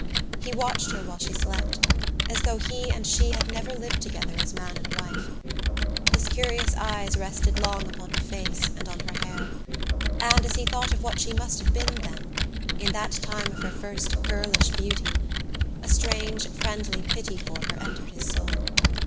He watched her while she slept as though he and she had never lived together as man and wife. His curious eyes rested long upon her face and on her hair: and, as he thought of what she must have been then, in that time of her first girlish beauty, a strange, friendly pity for her entered his soul.